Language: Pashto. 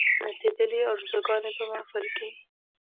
نڅېدلې آرزوګاني په محفل کښي